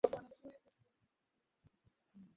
কিন্তু তোমার বোনকে আরো বেশি ভালো লাগে।